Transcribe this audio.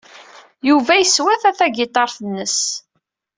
Yuba yeswata tagiṭart-nnes.